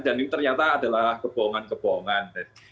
dan ini ternyata adalah kebohongan kebohongan